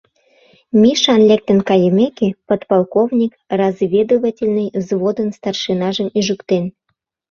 Мишан лектын кайымеке, подполковник разведывательный взводын старшинажым ӱжыктен.